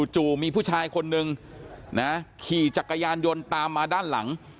จู่มีผู้ชายคนนึงนะขี่จักรยานยนต์ตามมาด้านหลัง